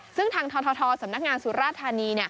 ซึ่งทางทธศสมนักงานสุรษะทานี